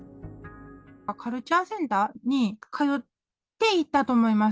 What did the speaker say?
カルチャーセンターに通っていたと思います。